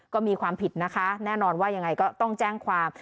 ก็มีความผิดนะคะแน่นอนว่ายังไงก็ต้องแจ้งความ